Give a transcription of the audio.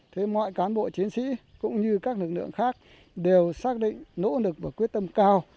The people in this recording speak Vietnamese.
thế mọi cán bộ chiến sĩ cũng như các lực lượng khác đều xác định nỗ lực và quyết tâm cao